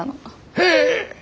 へえ！